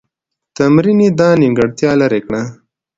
تمرین یې دا نیمګړتیا لیري کړه.